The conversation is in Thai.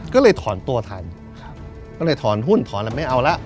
ก็เลยถอนตัวทันก็เลยถอนหุ้นถอนแล้วไม่เอาละ